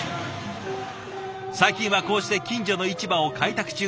最近はこうして近所の市場を開拓中。